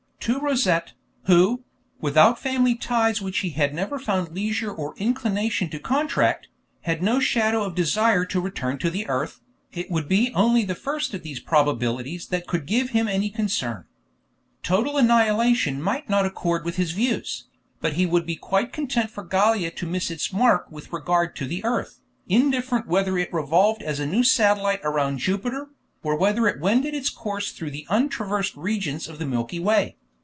To Rosette, who, without family ties which he had never found leisure or inclination to contract, had no shadow of desire to return to the earth, it would be only the first of these probabilities that could give him any concern. Total annihilation might not accord with his views, but he would be quite content for Gallia to miss its mark with regard to the earth, indifferent whether it revolved as a new satellite around Jupiter, or whether it wended its course through the untraversed regions of the milky way.